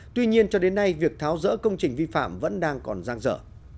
tuy nhiên cho đến nay việc tháo rỡ công trình vi phạm vẫn đang còn giang dở